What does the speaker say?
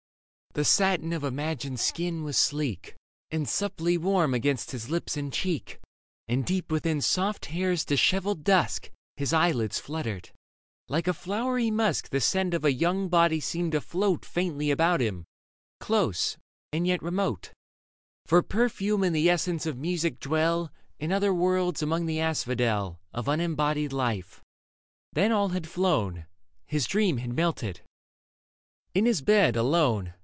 Leda The satin of imagined skin was sleek And supply warm against his lips and cheek, And deep within soft hair's dishevelled dusk His eyelids fluttered ; like a flowery musk The scent of a young body seemed to float Faintly about him, close and yet remote — For perfume and the essence of music dwell In other worlds among the asphodel Of unembodied Hfe. Then all had flown ; His dream had melted. In his bed, alone.